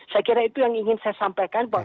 saya kira itu yang ingin saya sampaikan